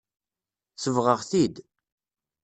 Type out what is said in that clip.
Sebɣeɣ-t-id.